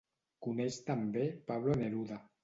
Coneix també Pablo Neruda.